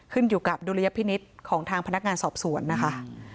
ขึ้นอยู่กับดุลยพินิษฐ์ของทางพนักงานสอบสวนนะคะ